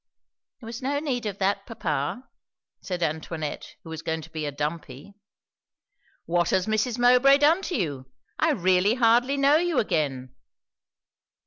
"There was no need of that, papa," said Antoinette, who was going to be a dumpy. "What has Mrs. Mowbray done to you? I really hardly know you again."